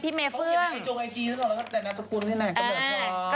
เขาเปลี่ยนได้ในโจ๊กไอจีหรือเปล่าแล้วก็แต่นัดสกุลนี่แหละกระเบิดไป